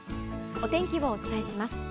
お天気をお伝えします。